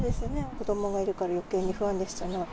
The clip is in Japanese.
子どもがいるからよけいに不安でしたね。